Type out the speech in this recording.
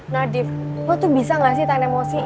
nadif lo tuh bisa gak sih tahan emosi